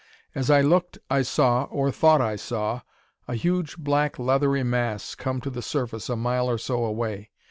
As I looked I saw, or thought I saw, a huge black leathery mass come to the surface a mile or so away.